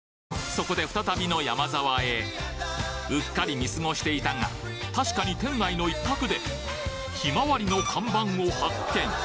そこで再びのヤマザワへうっかり見過ごしていたが確かに店内の一角でひまわりの看板を発見！